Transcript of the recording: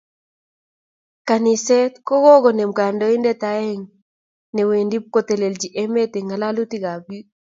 Kaniset kokonem kandoindet aeng ne wendi pko telelchi emet eng ngalalutik ab biik